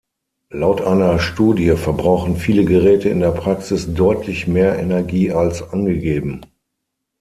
Laut einer Studie verbrauchen viele Geräte in der Praxis deutlich mehr Energie als angegeben.